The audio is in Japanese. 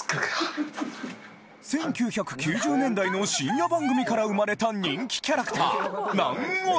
１９９０年代の深夜番組から生まれた人気キャラクターナン男